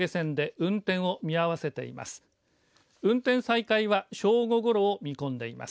運転再開は正午ごろを見込んでいます。